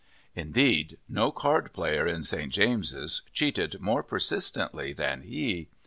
Indeed no card player in St. James's cheated more persistently than he.